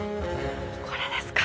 これですか？